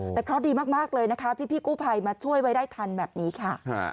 แต่เคราะห์ดีมากเลยนะคะพี่กู้ภัยมาช่วยไว้ได้ทันแบบนี้ค่ะ